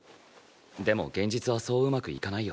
でも現実はそう上手くいかないよ。